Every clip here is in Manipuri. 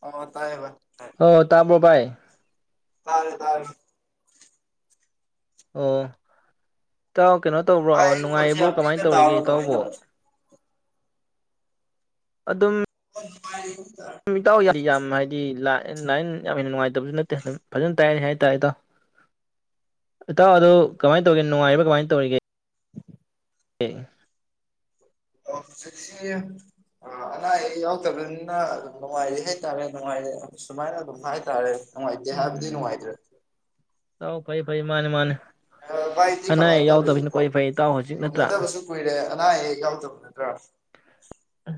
ꯑ ꯇꯥꯏꯕ ꯑꯣ ꯇꯥꯝꯕ꯭ꯔꯣꯕꯥꯥꯏ ꯇꯥꯔꯦ ꯇꯥꯔꯦ ꯑꯣ ꯏꯇꯥꯎ ꯀꯩꯅꯣ ꯇꯧꯕ꯭ꯔꯣ ꯚꯥꯏ ꯑꯩ ꯈꯣꯟꯁꯦ ꯅꯨꯡꯉꯥꯏꯔꯤꯕ꯭ꯔꯣ ꯌꯥꯝ ꯀꯃꯥꯏꯅ ꯄꯤꯛꯅ ꯇꯧꯔꯤꯒꯦ ꯇꯥꯕ꯭ꯔꯣ ꯀꯃꯥꯏꯅ ꯏꯇꯥꯎꯕꯣ ꯇꯧꯋꯦ ꯑꯗꯨꯝ ꯥꯏꯗ ꯂꯥꯏ ꯌꯥꯝꯦꯟꯅ ꯅꯨꯡꯉꯥꯏꯇꯕꯁꯨ ꯅꯠꯇꯦ ꯑꯗꯨꯝ ꯐꯖꯅ ꯇꯥꯏꯔꯦ ꯍꯥꯏꯇꯥꯔꯦꯗꯣ ꯏꯇꯥꯎ ꯑꯗꯨ ꯀꯃꯥꯏ ꯇꯧꯒꯦ ꯅꯨꯡꯉꯥꯏꯔꯤꯕ ꯀꯃꯥꯏ ꯇꯧꯔꯤꯒꯦ ꯑꯦ ꯍꯧꯖꯤꯛꯁꯦ ꯑ ꯑꯅꯥ ꯑꯌꯦꯛ ꯌꯥꯎꯇꯕꯅꯤꯅ ꯑꯗꯨꯝ ꯅꯨꯡꯉꯥꯏꯔꯤ ꯍꯦꯇꯥꯔꯦ ꯅꯨꯡꯉꯥꯏꯔ ꯁꯨꯃꯥꯏꯅ ꯑꯗꯨꯝ ꯍꯥꯏꯇꯥꯔꯦ ꯅꯨꯡꯉꯥꯏꯇꯦ ꯍꯥꯏꯕꯗꯤ ꯅꯨꯡꯉꯥꯏꯇ꯭ꯔꯦ ꯍꯥꯎ ꯐꯩ ꯐꯩ ꯃꯥꯅꯦ ꯃꯥꯅꯦ ꯑꯥ ꯚꯥꯏꯗꯤ ꯑꯅꯥ ꯀꯃꯥꯏ ꯑꯌꯦꯛ ꯌꯥꯎꯗꯕꯁꯤꯅ ꯇꯧꯔꯤꯀꯣ ꯈ꯭ꯋꯥꯏ ꯐꯩ ꯏꯇꯥꯎ ꯍꯧꯖꯤꯛ ꯅꯠꯇ꯭ꯔꯥ ꯎꯅꯗꯕꯁꯨ ꯀꯨꯢꯔꯦ ꯑꯅꯥ ꯑꯌꯦꯛ ꯌꯥꯎꯗꯔꯕꯥ ꯅꯠꯇ꯭ꯔꯣ ꯑꯥ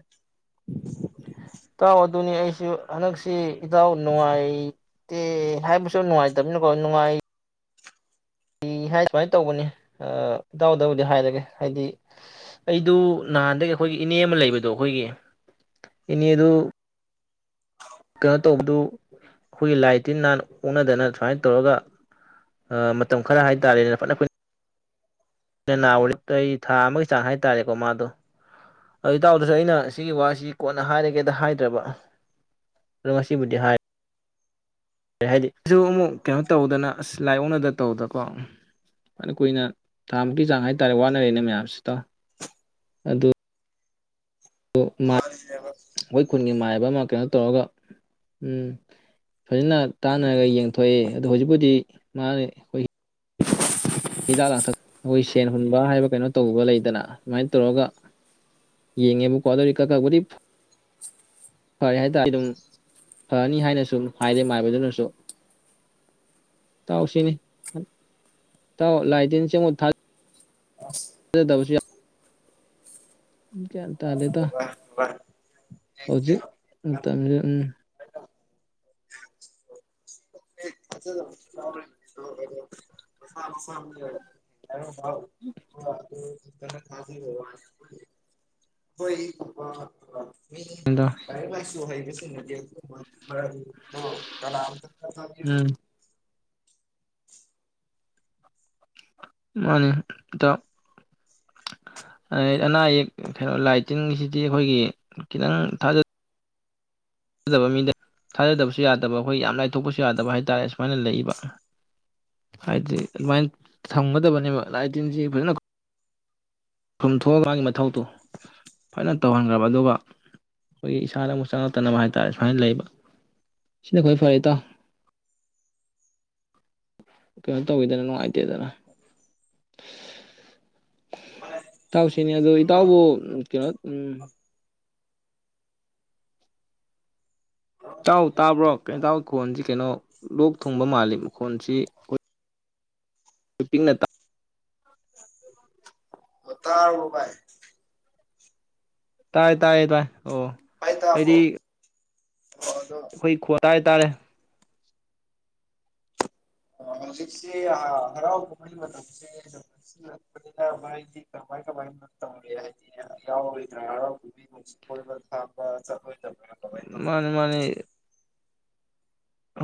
ꯏꯇꯥꯎ ꯑꯗꯨꯅꯤ ꯑꯩꯁꯨ ꯍꯟꯗꯛꯁꯤ ꯏꯇꯥꯎ ꯅꯨꯡꯉꯥꯏ ꯇꯦ ꯍꯥꯏꯕꯁꯨ ꯅꯨꯡꯉꯥꯏꯇꯕꯅꯀꯣ ꯅꯨꯡꯉꯥꯏ ꯀꯤ ꯍꯥꯏ ꯁꯨꯃꯥꯏ ꯇꯧꯕꯅꯤ ꯑꯥ ꯏꯗꯥꯎꯗꯥꯕꯨꯗꯤ ꯍꯥꯏꯔꯒꯦ ꯍꯥꯏꯗꯤ ꯑꯩꯗꯨ ꯅꯍꯥꯟꯗꯒꯤ ꯑꯩꯈꯣꯏꯒꯤ ꯏꯅꯦ ꯑꯃ ꯂꯩꯕꯗꯣ ꯑꯩꯈꯣꯏꯒꯤ ꯏꯅꯦ ꯑꯗꯨ ꯀꯩꯅꯣ ꯇꯧꯕꯗꯨ ꯈꯣꯏꯒꯤ ꯂꯥꯏ ꯇꯤꯟ ꯅꯥꯍꯥꯟꯅ ꯑꯣꯛꯅꯗꯅ ꯁꯨꯃꯥꯏ ꯇꯧꯔꯒ ꯑꯥ ꯃꯇꯝ ꯈꯔ ꯍꯥꯏꯇꯥꯔꯦꯅꯦ ꯐꯅ ꯀꯨꯢ ꯌꯦꯅꯥꯎꯋꯥꯔꯛꯇꯩ ꯊꯥ ꯑꯃꯒꯤ ꯆꯥꯡ ꯍꯥꯏꯇꯥꯔꯦꯀꯣ ꯃꯥꯗꯣ ꯑ ꯏꯇꯥꯥꯎꯗꯁꯨ ꯑꯩꯅ ꯁꯤꯒꯤ ꯋꯥꯁꯤ ꯀꯣꯟꯅ ꯍꯥꯏꯔꯒꯦꯗ ꯍꯥꯏꯗ꯭ꯔꯕ ꯔꯁꯤꯕꯨꯗꯤ ꯍꯥꯏ ꯀꯩ ꯍꯥꯏꯗꯤ ꯑꯩꯁꯨ ꯑꯃꯨꯛ ꯀꯩꯅꯣ ꯇꯧꯗꯅ ꯑꯁ ꯂꯥꯏꯑꯣꯛꯅꯗ ꯇꯧꯗꯀꯣ ꯑꯗꯨ ꯀꯨꯏꯅ ꯊꯥꯃꯨꯛꯀꯤ ꯆꯥꯡ ꯍꯥꯏꯇꯥꯔꯦ ꯋꯥꯅꯔꯦꯅꯦ ꯃꯌꯥꯝꯁꯤꯇ ꯑꯗꯨ [unintelligible] ꯃꯥꯅꯤꯅꯦꯕ ꯑꯁ ꯑꯩꯈꯣꯏ ꯈꯨꯟꯒꯤ ꯃꯥꯏꯕ ꯑꯃ ꯀꯩꯅꯣ ꯇꯧꯔꯒ ꯎꯝ ꯐꯖꯅ ꯇꯥꯟꯅꯔꯒ ꯌꯦꯡꯊꯣꯛꯑꯦ ꯑꯗꯣ ꯍꯧꯖꯤꯛꯄꯨꯖꯤꯗꯤ ꯃꯥ ꯈꯣꯏ ꯍꯤꯗꯥꯛ ꯂꯥꯡꯊꯛ ꯑꯩꯈꯣꯏ ꯁꯦꯟ ꯍꯨꯟꯕ ꯍꯥꯏꯕ ꯀꯩꯅꯣ ꯇꯧꯕ ꯂꯩꯗꯅ ꯑꯗꯨꯃꯥꯏ ꯇꯧꯔꯒ ꯌꯦꯡꯉꯦꯕꯀꯣ ꯑꯗꯨꯕꯨ ꯈꯔ ꯐꯕꯗꯤ ꯐꯔꯦ ꯍꯥꯏꯇꯥꯔꯦ ꯑꯗꯨꯝ ꯐꯔꯅꯤ ꯍꯥꯏꯅꯁꯨ ꯍꯥꯏꯔꯦ ꯃꯥꯏꯕꯗꯨꯅꯁꯨ ꯇꯥꯎꯁꯤꯅꯤ ꯏꯇꯥꯎ ꯂꯥꯏ ꯇꯤꯟ ꯆꯉꯛ ꯊꯥ ꯑꯁ ꯑꯣꯏꯗꯕꯁꯨ ꯌꯥꯏ ꯒꯌꯥꯟ ꯃꯥꯅꯤꯅꯦ ꯇꯥꯗꯦꯇꯥ ꯚꯥꯏ ꯚꯥꯏ ꯍꯧꯖꯤꯛ ꯃꯇꯝꯁꯦ ꯎꯝ [unintelligible] [unintelligible] [unintelligible] ꯃꯤ ꯏꯇꯥꯎ ꯂꯩꯔꯤꯛ ꯂꯩꯁꯨ ꯍꯩꯕꯁꯤꯡꯅꯗꯤ ꯗꯨꯝꯕ ꯃꯔꯟꯗꯣ ꯀꯅꯥꯝꯇꯥ [unintelligible] ꯎꯝ ꯃꯥꯅꯤ ꯏꯇꯥꯎ ꯑꯅꯥ ꯑꯌꯦꯛ ꯀꯩꯅꯣ ꯂꯥꯏ ꯇꯤꯟꯁꯤꯗꯤ ꯑꯩꯈꯣꯏꯒꯤ ꯈꯤꯇꯪ ꯊꯥꯖ ꯊꯥꯖꯗꯕ ꯃꯤꯗ ꯊꯥꯖꯗꯕꯁꯨ ꯌꯥꯗꯕ ꯑꯩꯈꯣꯏ ꯌꯥꯝ ꯂꯥꯏꯊꯣꯛꯄꯁꯨ ꯌꯥꯗꯕ ꯍꯥꯏꯇꯥꯔꯦ ꯁꯨꯃꯥꯏꯅ ꯂꯩꯕ ꯍꯥꯏꯗꯤ ꯑꯗꯨꯃꯥꯏꯅ ꯊꯝꯒꯗꯕꯅꯦꯕ ꯂꯥꯏ ꯇꯤꯟꯁꯤ ꯐꯖꯅ ꯄꯨꯟꯊꯣꯛꯑ ꯃꯥꯒꯤ ꯃꯊꯧꯗꯣ ꯐꯖꯅ ꯇꯧꯍꯟꯈ꯭ꯔꯕ ꯑꯗꯨꯒ ꯑꯩꯈꯣꯏꯒꯤ ꯏꯁꯥꯗ ꯑꯃꯨꯛ ꯆꯪꯉꯛꯇꯅꯕ ꯍꯥꯏꯇꯥꯔꯦ ꯁꯨꯃꯥꯏ ꯂꯩꯌꯦꯕ ꯁꯤꯅ ꯈꯔ ꯐꯔꯦ ꯏꯇꯥꯎ ꯀꯩꯅꯣ ꯇꯧꯋꯤꯗꯅ ꯅꯨꯡꯉꯥꯏꯇꯦꯗꯅ ꯏꯇꯥꯎꯁꯤꯅꯤ ꯑꯗꯨ ꯏꯇꯥꯎꯕꯨ ꯀꯩꯅꯣ ꯎꯝ ꯏꯇꯥꯎ ꯇꯥꯕ꯭ꯔꯣ ꯀꯦꯟꯇꯥꯎ ꯈꯣꯟꯁꯤ ꯀꯩꯅꯣ ꯂꯣꯛ ꯊꯨꯡꯕ ꯃꯥꯜꯂꯤ ꯃꯈꯣꯟꯁꯤ [unintelligible] [unintelligible] ꯇꯥꯔꯕꯣ ꯕꯥꯥꯏ ꯇꯥꯏ ꯇꯥꯏꯌꯦ ꯇꯥꯏ ꯑꯣ ꯚꯥꯏ ꯇꯥꯕ꯭ꯔꯣ ꯑꯩꯗꯤ [unintelligible] ꯑꯩꯈꯣꯏ ꯈꯣꯠꯇ ꯍꯥꯏꯇꯥꯔꯦ ꯍꯧꯖꯤꯛꯁꯦ ꯑ ꯍꯔꯥꯎ ꯀꯨꯝꯍꯩ ꯃꯇꯝꯁꯦ [unintelligible] ꯍꯥꯥꯏꯗꯤ ꯀꯃꯥꯏ ꯀꯃꯥꯏ ꯇꯧꯔꯤ ꯍꯥꯏꯗꯤ ꯌꯥꯎꯔ‌ꯣꯏꯗ꯭ꯔ ꯍꯔꯥꯎ ꯀꯨꯃꯤ ꯀ‌ꯣꯏꯕ ꯂꯥꯡꯕ ꯆꯠꯂ‌ꯣꯏ ꯗ ꯕꯔ ꯃꯥꯅꯦ ꯃꯥꯅꯦ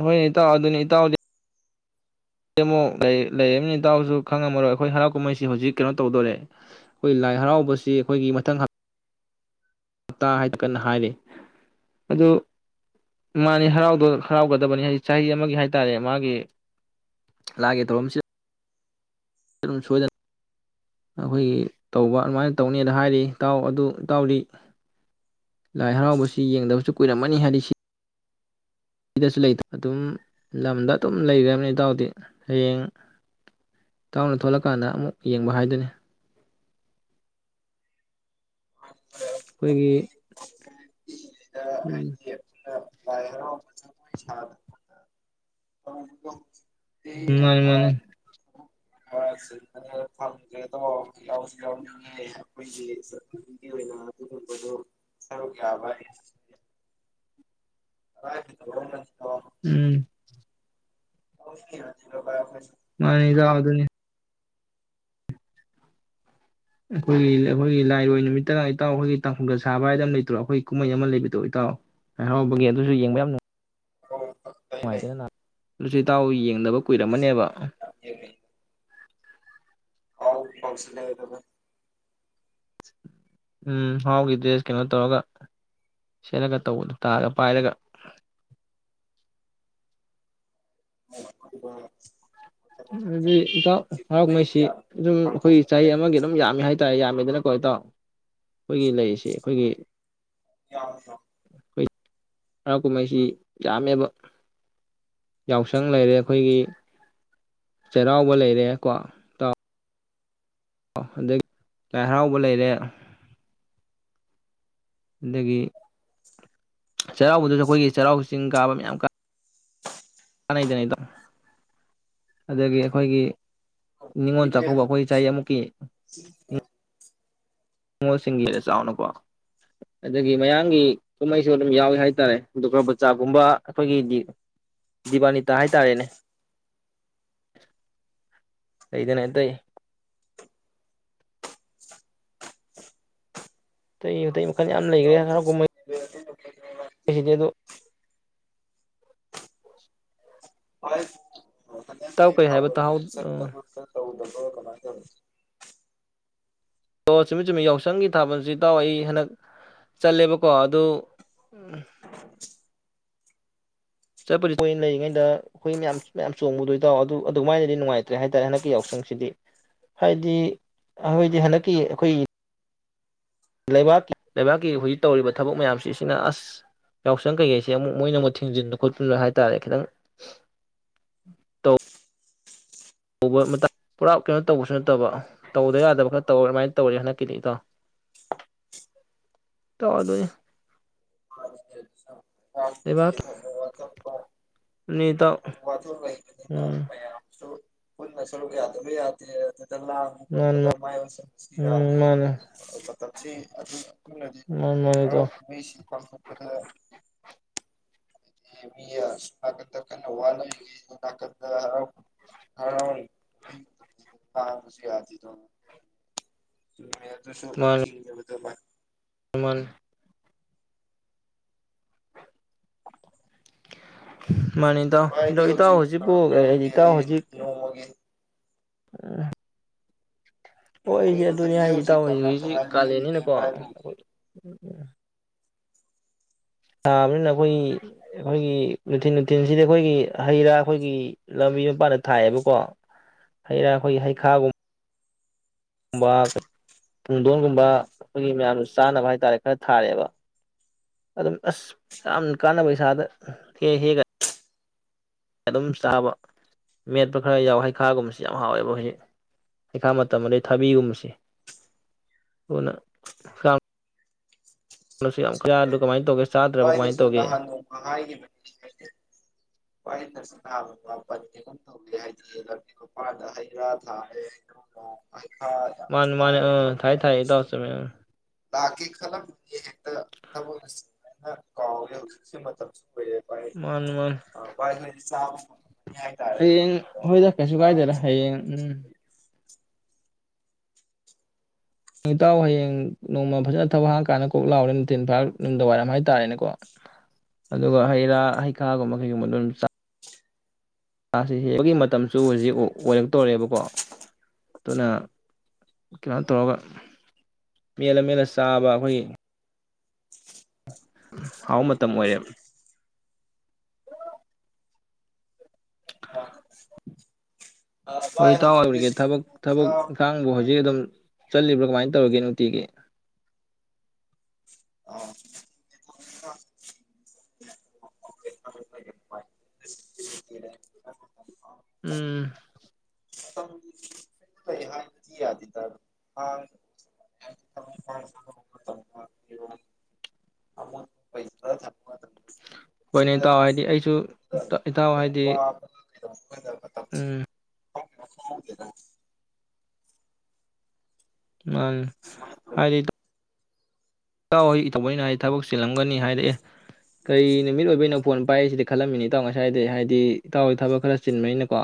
ꯍꯣꯏ ꯏꯇꯥꯎ ꯑꯗꯨꯅꯤ ꯏꯇꯥꯎꯗꯤ ꯑ ꯑꯃꯨꯛ ꯂꯩꯃꯤꯅꯤ ꯏꯇꯎꯁꯨ ꯈꯪꯉꯝꯃꯔꯣꯏ ꯑꯩꯈꯣꯏ ꯍꯔꯥꯎ ꯀꯨꯝꯍꯩꯁꯤ ꯍꯧꯖꯤꯛ ꯀꯩꯅꯣ ꯇꯧꯗꯣꯔꯦ ꯑꯩꯈꯣꯏ ꯂꯥꯏ ꯍꯔꯥꯎꯕꯁꯤ ꯑꯩꯈꯣꯏꯒꯤ ꯃꯊꯪ ꯍꯞ ꯇꯥ ꯍꯥꯏꯗꯨ ꯀꯟꯅ ꯍꯥꯏꯔꯤ ꯑꯗꯨ ꯃꯥꯅꯤ ꯍꯔꯥꯎꯒꯗꯕꯅꯤ ꯍꯥꯏꯗꯤ ꯆꯍꯤ ꯑꯃꯒꯤ ꯍꯥꯏꯇꯥꯔꯦ ꯃꯥꯒꯤ ꯂꯥꯏꯒꯤ ꯊꯧꯔꯝꯁꯤ ꯑꯗꯨꯝ ꯁꯣꯗꯅ ꯑꯩꯈꯣꯏꯒꯤ ꯇꯧꯕ ꯑꯗꯨꯃꯥꯏꯅ ꯇꯧꯅꯦꯅ ꯍꯥꯏꯔꯤ ꯏꯇꯥꯎ ꯑꯗꯨ ꯏꯇꯥꯎꯗꯤ ꯂꯥꯏ ꯍꯔꯥꯎꯕꯁꯤ ꯌꯦꯡꯗꯕꯁꯨ ꯀꯨꯏꯔꯝꯃꯅꯤ ꯍꯥꯏꯗꯤ ꯁꯤ ꯑꯩꯗꯁꯨ ꯂꯩꯇ ꯑꯗꯨꯝ ꯂꯝꯗ ꯑꯗꯨꯝ ꯂꯩꯒ꯭ꯔꯝꯅꯤ ꯏꯇꯎꯗꯤ ꯍꯌꯦꯡ ꯇꯥꯎꯅ ꯊꯣꯛꯂꯀꯥꯟꯗ ꯑꯃꯨꯛ ꯌꯦꯡꯕ ꯍꯥꯏꯗꯨꯅꯤ ꯈꯣꯏꯒꯤ [unintelligible] ꯎꯝ ꯑꯩꯈꯣꯏꯅ ꯂꯥꯏ ꯍꯔꯥꯎ ꯕꯖꯤ [unintelligible] [unintelligible] [unintelligible] ꯃꯥꯅꯤ ꯃꯥꯅꯤ ꯑꯩꯈꯣꯏꯒꯤ [unintelligible] ꯒꯤ ꯑꯣꯏꯅ ꯑꯗꯨꯒꯨꯝꯕꯗꯨꯣ ꯁꯔꯨꯛ ꯌꯥꯕ [unintelligible] ꯎꯝ [unintelligible] ꯉꯂꯤꯗ ꯑꯗꯨꯅꯤ ꯑꯩꯈꯣꯏꯒꯤ ꯑꯩꯈꯣꯏꯒꯤ ꯂꯥꯏꯔꯣꯏ ꯅꯨꯃꯤꯠꯇ ꯏꯇꯥꯎ ꯍ‌ꯣꯏꯒꯤ ꯇꯥꯡꯈꯨꯜꯒ ꯁꯥꯕ ꯍꯥꯏꯗ ꯑꯃ ꯂꯩꯇ꯭ꯔꯣ ꯑꯩꯈꯣꯏ ꯀꯨꯝꯍꯩ ꯑꯃ ꯂꯩꯕꯗꯣ ꯏꯇꯥꯎ ꯍꯔꯥꯎꯕꯒꯤ ꯑꯗꯨꯁꯨ ꯌꯦꯕ ꯌꯥꯝ ꯅꯨ ꯑꯣ ꯅꯨꯡꯉꯥꯏꯇꯅ ꯂꯥꯛ ꯑꯗꯨꯁꯨ ꯏꯇꯥꯎ ꯌꯦꯡꯗꯕ ꯀꯨꯏꯔꯝꯃꯅꯦꯕ [unintelligible] ꯀꯥꯎ ꯕꯨ ꯀꯥꯎꯁꯤ ꯂꯛ ꯑꯦꯗ ꯚꯥꯏ ꯎꯝ ꯍꯥꯎꯒꯤ ꯗ꯭ꯔꯦꯁ ꯀꯩꯅꯣ ꯇꯧꯔꯒ ꯁꯦꯠꯂꯒ ꯇꯧꯕꯗ ꯇꯥꯔꯒ ꯄꯥꯏꯔꯒ [unintelligible] ꯍꯥꯏꯗꯤ ꯏꯇꯥꯎ ꯍꯔꯥꯎꯉꯩꯁꯤ ꯑꯗꯨꯝ ꯑꯩꯈꯣꯏꯒꯤ ꯆꯍꯤ ꯑꯃꯒꯤ ꯑꯗꯨꯝ ꯌꯥꯝꯃꯤ ꯍꯥꯏ ꯇꯥꯏ ꯌꯥꯝꯃꯤꯗꯅꯀꯣ ꯏꯇꯥꯎ ꯑꯩꯈꯣꯏꯒꯤ ꯂꯩꯔꯤꯁꯤ ꯑꯩꯈꯣꯏꯒꯤ ꯌꯥꯎꯆ‌ꯣ ꯑꯩꯈꯣꯏ ꯍꯔꯥꯎ ꯀꯨꯝꯍꯩꯁꯤ ꯌꯥꯝꯃꯦꯕ ꯌꯥꯎꯁꯪ ꯂꯩꯔꯦ ꯑꯩꯈꯣꯏꯒꯤ ꯆꯩꯔꯥꯎꯕ ꯂꯩꯔꯦ ꯀꯣ ꯑꯣ ꯑꯗꯩ ꯂꯥꯏ ꯍꯔꯥꯎꯕ ꯂꯩꯔꯦ ꯑꯗꯒꯤ ꯆꯩꯔꯥꯎꯕꯗꯁꯨ ꯑꯩꯈꯣꯏꯒꯤ ꯆꯩꯔꯥꯎ ꯆꯤꯡ ꯀꯥꯕ ꯃꯌꯥꯝ ꯀꯥ [inaudible] ꯄꯥꯅꯩꯗꯅ ꯏꯇꯥꯎ ꯑꯗꯒꯤ ꯑꯩꯈꯣꯏꯒꯤ ꯅꯤꯉꯣꯜ ꯆꯥꯛꯀꯧꯕ ꯑꯩꯈꯣꯏ ꯆꯍꯤ ꯑꯃꯨꯛꯀꯤ [unintelligible] ꯅꯤꯉꯣꯜꯁꯤꯡꯒꯤꯗ ꯆꯥꯎꯅꯀꯣ ꯑꯗꯒꯤ ꯃꯌꯥꯝꯡꯒꯤ ꯀꯨꯝꯍꯩꯁꯨ ꯑꯗꯨꯝ ꯌꯥꯎꯏꯤ ꯍꯥꯏꯇꯥꯔꯦ ꯗꯨꯒ꯭ꯔꯕꯆꯥꯒꯨꯝꯕ ꯑꯩꯈꯣꯏꯒꯤꯗꯤ ꯗꯤꯕꯥꯅꯤꯇꯥ ꯍꯥꯏꯇꯥꯔꯦꯅꯦ ꯀꯩꯗꯅ ꯇꯏ ꯇꯩ ꯌꯦ [unintelligible] [unintelligible] ꯏꯇꯥꯎ ꯀꯩ [unintelligible] ꯍꯥꯏꯕ ꯇꯥꯍꯧ ꯊꯥꯕꯗ ꯀꯃꯥꯏ ꯇꯧꯢ ꯑꯣ ꯆꯨꯝꯃꯤꯠ ꯆꯨꯝꯃꯤꯠ ꯌꯥꯎꯁꯪꯒꯤ ꯊꯥꯕꯜꯁꯤ ꯇꯥꯎ ꯑꯩ ꯍꯟꯗꯛ ꯆꯠꯂꯦꯕꯀꯣ ꯑꯗꯨ ꯎꯝ ꯆꯠꯄꯗꯤ ꯊꯣꯢꯅ ꯂꯩꯔꯤꯉꯩꯗ ꯑꯩꯈꯣꯏ ꯃꯌꯥꯝ ꯃꯌꯥꯝ ꯆꯣꯡꯕꯗꯣꯏꯇꯥꯎ ꯑꯗꯨ ꯑꯗꯨꯃꯥꯏꯅꯗꯤ ꯅꯨꯡꯉꯥꯏꯇ꯭ꯔꯦ ꯍꯥꯏꯇꯥꯔꯦ ꯍꯟꯗꯛꯀꯤ ꯌꯥꯎꯁꯪꯁꯤꯗꯤ ꯍꯥꯏꯗꯤ ꯑꯩꯈꯣꯏꯗꯤ ꯍꯟꯗꯛꯀꯤ ꯑꯩꯈꯣꯏ ꯂꯩꯕꯥꯛꯀꯤ ꯂꯩꯕꯥꯛꯀꯤ ꯍꯧꯖꯤꯛ ꯇꯧꯔꯤꯕ ꯊꯕꯛ ꯃꯌꯥꯝꯁꯤꯁꯤꯅ ꯑꯁ ꯌꯥꯎꯁꯪ ꯀꯩꯀꯩꯁꯦ ꯑꯃꯨꯛꯣꯏ ꯑꯃꯨꯛ ꯊꯤꯡꯖꯤꯟ ꯈꯣꯠꯟꯕ ꯍꯥꯏꯇꯥꯔꯦ ꯈꯤꯇꯪ ꯇꯧ ꯄꯨꯔꯥ ꯀꯩꯅꯣ ꯇꯧꯕꯁꯨ ꯅꯠꯇꯕ ꯇꯧꯗ ꯌꯥꯗꯕ ꯈꯔ ꯇꯧꯔꯦ ꯑꯗꯨꯃꯥꯏꯅ ꯇꯧꯔꯦ ꯍꯟꯗꯛꯀꯤꯗꯤ ꯏꯇꯥꯎ ꯇꯥꯗꯣ [unintelligible] ꯅꯤꯠ ꯋꯥꯊꯣꯛ ꯂꯩꯕꯅꯤꯅ ꯃꯌꯥꯝꯁꯨ ꯄꯨꯟꯅ ꯁꯔꯨꯛ ꯌꯥꯗꯕ ꯌꯥꯗꯦ ꯑꯗꯨꯗ ꯂꯥꯡ ꯃꯥꯅꯤ ꯎꯝ ꯃꯥꯅꯦ ꯃꯥꯅꯤ ꯃꯥꯅꯤ ꯏꯇꯥꯎ [unintelligible] [unintelligible] [unintelligible] [unintelligible] ꯍꯥꯢꯕꯁꯨ ꯌꯥꯗꯦꯗꯣ ꯆꯨꯝꯃꯦ ꯑꯗꯨꯁꯨ ꯃꯥꯅꯦ ꯃꯥꯅꯦ ꯏꯇꯥꯎ ꯑꯗꯣ ꯚꯥꯏꯗꯤ ꯏꯇꯥꯎ ꯍꯧꯖꯤꯛ ꯍꯧꯖꯤꯛꯄꯨ ꯀꯔꯝ ꯀꯔꯝ ꯏꯇꯥꯎ ꯂꯦꯜꯂꯤ ꯍꯧꯖꯤꯛ [unintelligible] [unintelligible] ꯍꯣꯏ ꯁꯤ ꯅꯣꯡꯃꯒꯤ ꯑꯗꯨꯅꯦ ꯃꯇꯝꯁꯦ ꯍꯥꯏꯁꯤ ꯍꯧꯖꯤꯛ ꯇꯥꯁꯤ ꯀꯃꯥꯏ ꯍꯧꯖꯤꯛꯁꯤ ꯀꯃꯥꯏ ꯂꯦꯜꯂꯤꯒꯦ ꯀꯥꯂꯦꯟꯅꯤꯅꯀꯣ ꯚꯥꯏꯕꯨ ꯑꯩꯈꯣꯏ ꯎ ꯎ ꯊꯥꯕꯅꯤꯅ ꯑꯩꯈꯣꯏꯒꯤ ꯑꯩꯈꯣꯏꯒꯤ ꯊꯤꯟ ꯅꯨꯡꯊꯤꯟꯁꯤꯗꯤ ꯑꯩꯈꯣꯏꯒꯤ ꯍꯩ ꯔꯥ ꯑꯩꯈꯣꯏꯒꯤ ꯂꯝꯕꯤ ꯃꯄꯥꯟꯗ ꯊꯥꯏꯑꯕꯀꯣ ꯍꯩ ꯔꯥ ꯑꯩꯈꯣꯏ ꯍꯩꯈꯥꯒꯨꯝꯕ ꯕ ꯄꯨꯡꯗꯣꯟꯒꯨꯝꯕ ꯑꯩꯈꯣꯏꯒꯤ ꯃꯌꯥꯝꯁꯨ ꯆꯥꯅꯕ ꯍꯥꯏꯇꯥꯔꯦ ꯈꯔ ꯊꯥꯔꯦꯑꯦꯕ ꯑꯗꯨꯝ ꯑꯁ ꯌꯥꯝ ꯀꯥꯟꯅꯕ ꯏꯁꯥꯗ ꯍꯦꯛ ꯍꯦꯛꯒꯗ ꯑꯗꯨꯝ ꯆꯥꯕ ꯃꯦꯠꯄ ꯈꯔ ꯌꯥꯎ ꯍꯩꯈꯥꯒꯨꯝꯕꯕꯁꯤ ꯌꯥꯝ ꯍꯥꯎꯋꯦꯕ ꯍꯧꯖꯤꯛ ꯄꯩꯈꯥ ꯃꯇꯝ ꯑꯗꯩ ꯊꯥꯕꯤꯒꯨꯝꯕꯁꯦꯅ ꯌꯥꯝ ꯀꯌꯥ ꯀꯃꯥꯏꯅ ꯇꯧꯒꯦ ꯆꯥꯗ꯭ꯔꯕ ꯀꯃꯥꯏꯅ ꯚꯥꯏꯅꯁꯨ ꯇꯧꯒꯦ ꯅꯍꯥꯟ ꯅꯣꯡꯃ ꯍꯥꯏꯈꯤꯕꯅꯤ ꯍꯥꯏ ꯋꯥ ꯅꯔꯁꯤꯄꯟꯅꯤ ꯀꯝ ꯇꯧꯒꯦ ꯍꯥꯏꯗꯤ ꯃꯗ ꯍꯩꯔꯥ ꯊꯥꯔꯦ ꯃꯥꯅꯤ ꯃꯥꯅꯤ ꯐꯥꯏ ꯑꯥ ꯊꯥꯏ ꯊꯥꯏ ꯏꯇꯥꯎ ꯆꯨꯝꯃꯦ ꯑꯥ ꯂꯥꯛꯀꯦ ꯈꯜꯂꯝꯕꯅꯤ ꯍꯦꯛꯇ ꯊꯕꯛꯅ ꯁꯃꯥꯏꯅ ꯀꯥꯎꯋꯦ ꯍꯧꯖꯤꯛꯁꯨ ꯃꯇꯝꯁꯨ ꯑꯣꯏꯔꯦꯦ ꯍꯦꯏ ꯃꯥꯅꯤ ꯃꯥꯅꯤ ꯚꯥꯏ ꯍꯣꯏꯅ ꯆꯥꯕ ꯍꯥꯏꯇꯥꯔꯦ ꯍꯌꯦꯡ ꯍꯣꯏꯗ ꯀꯩꯁꯨ ꯀꯥꯏꯗꯦꯗ ꯍꯌꯦꯡ ꯎꯝ ꯏꯇꯥꯎ ꯍꯌꯦꯡ ꯅꯣꯡꯃ ꯐꯖꯅ ꯊꯕꯛ ꯍꯥꯡꯉꯀꯥꯟꯗ ꯀꯣꯛ ꯂꯥꯎꯔꯦ ꯅꯨꯡꯊꯤꯟ ꯐꯥꯔ ꯃꯤꯗꯥꯡ ꯋꯥꯏꯔꯝ ꯍꯥꯏꯇꯥꯔꯦꯅꯦꯀꯣ ꯑꯗꯨꯒ ꯍꯩ ꯔꯥ ꯍꯩꯈꯥꯒꯨꯝꯕ ꯀꯩꯒꯨꯝꯕ ꯑꯗꯨꯝ ꯃꯥꯥꯁꯤ ꯍꯦꯛꯕꯒꯤ ꯃꯇꯝꯁꯨ ꯍꯧꯖꯤꯛ ꯑꯣꯏꯔꯛꯇꯣꯔꯔꯦꯕꯀꯣ ꯑꯗꯨꯅ ꯀꯩꯅꯣ ꯇꯧꯔꯒ ꯃꯦꯜꯂ ꯃꯦꯜꯂ ꯆꯥꯕ ꯑꯩꯈꯣꯏꯒꯤ ꯍꯥꯎ ꯃꯇꯝ ꯑꯣꯏꯔꯦꯕ [unintelligible] ꯅꯪꯕꯨ ꯍꯧꯖꯤꯛ ꯑꯗꯨꯝ ꯆꯠꯂꯤꯕ꯭ꯔꯥ ꯀꯃꯥꯏꯅ ꯇꯧꯔꯤꯒꯦ ꯅꯨꯡꯇꯤꯒꯤ ꯑꯥ [inaudible] ꯎꯝ [unintelligible] [unintelligible] ꯍꯣꯏꯅꯦ ꯏꯇꯥꯎ ꯍꯥꯏꯗꯤ ꯑꯩꯁꯨ ꯏꯇꯥꯎ ꯍꯥꯏꯗꯤ [unintelligible] ꯎꯝ [unintelligible] ꯃꯥꯅꯤ ꯍꯥꯏꯗꯤ ꯏꯇꯥꯎꯍꯣꯏ ꯇꯧꯕꯅꯤꯅ ꯍꯥꯏ ꯊꯕꯛ ꯆꯤꯜꯂꯝꯒꯅꯤ ꯍꯥꯏꯔꯛꯑꯦ ꯀꯔꯤ ꯅꯨꯃꯤꯠ ꯑꯣꯏꯕꯩꯅ ꯐꯣꯟ ꯄꯥꯏꯏꯁꯤꯗꯤ ꯈꯜꯂꯝꯃꯤꯅꯤ ꯏꯇꯥꯎ ꯉꯁꯥꯏꯗꯤ ꯍꯥꯏꯗꯤ ꯏꯇꯥꯎꯗꯤ ꯊꯕꯛ ꯈꯔ ꯆꯤꯟꯕꯅꯤꯅꯀꯣ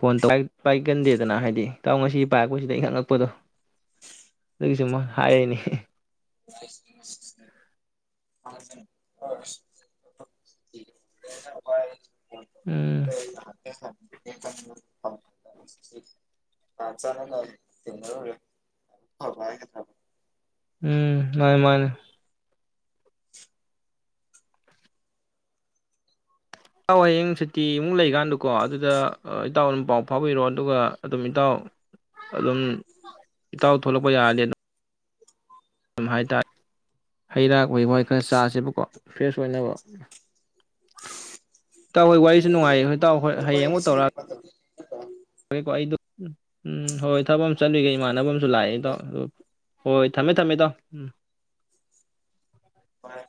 ꯐꯣꯟ ꯄꯥꯏꯒꯟꯗꯦꯗꯅ ꯍꯥꯏꯗꯤ ꯏꯇꯥꯎ ꯉꯁꯤ ꯄꯥꯏꯔꯛꯄꯁꯤꯗ ꯏꯪꯈꯛꯉꯛꯄꯗꯣ ꯑꯗꯨꯒꯤ ꯁꯨꯝ ꯍꯥꯏꯔꯤꯅꯤ [unintelligible] [unintelligible] ꯎꯝ [unintelligible] [unintelligible] ꯎꯝ ꯃꯥꯅꯦ ꯃꯥꯅꯦ ꯏꯇꯥꯎ ꯍꯌꯦꯡ ꯁꯨꯇꯤꯃꯨꯛ ꯂꯩꯀꯥꯟꯗꯨꯀꯣ ꯑꯗꯨꯗ ꯏꯇꯥꯎ ꯑꯗꯨꯝ ꯄꯥꯎ ꯐꯥꯎꯕꯤꯔꯣ ꯑꯗꯨꯒ ꯑꯗꯨꯝ ꯏꯇꯥꯎ ꯑꯗꯨꯝ ꯏꯇꯥꯎ ꯊꯣꯛꯂꯛꯄ ꯌꯥꯔꯗꯤ ꯑꯗꯨꯝ ꯍꯥꯏꯇꯥꯔꯦ ꯍꯩ ꯔꯥ ꯎꯍꯩ ꯋꯥꯍꯩ ꯈꯔ ꯆꯥꯁꯦꯕꯀꯣ ꯐ꯭ꯔꯦꯁ ꯑꯣꯏꯅꯕ ꯏꯇꯥꯎ ꯍꯣꯏ ꯋꯥꯔꯤꯁꯨ ꯂꯩꯌꯦ ꯅꯨꯡꯉꯥꯏ ꯍꯣꯏ ꯏꯇꯥꯎ ꯑꯗꯨ ꯍꯌꯦꯡ ꯚꯥꯏ ꯑꯃꯨꯛ ꯇꯧꯔꯛ ꯑꯥꯒꯦ [unintelligible] ꯐꯔꯦꯀꯣ ꯑꯩꯗꯨ ꯎꯝ ꯎꯝ ꯍꯣꯏ ꯊꯕꯛ ꯑꯃ ꯆꯠꯂꯨꯒꯦ ꯏꯃꯥꯟꯅꯕ ꯑꯃꯁꯨ ꯂꯥꯛꯑꯦ ꯏꯇꯥꯎ ꯑꯗꯨ ꯍꯣꯏ ꯊꯝꯃꯦ ꯊꯝꯃꯦ ꯏꯇꯥꯎ ꯎꯝ